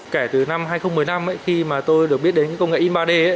kể từ năm hai nghìn một mươi năm khi mà tôi được biết đến công nghệ in ba d